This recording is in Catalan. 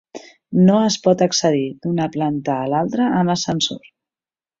No es pot accedir d'una planta a l'altra amb ascensor.